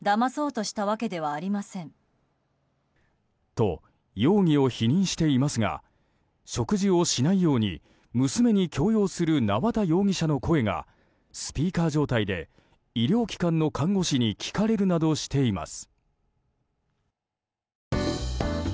と、容疑を否認していますが食事をしないように娘に強要する縄田容疑者の声がスピーカー状態で医療機関の看護師に聞かれるなどしています。